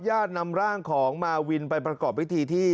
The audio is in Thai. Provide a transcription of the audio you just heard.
ญาตินำร่างของมาวินไปประกอบพิธีที่